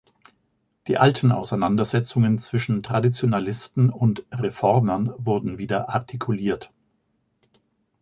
Die alten Auseinandersetzungen zwischen Traditionalisten und Reformern wurden wieder artikuliert.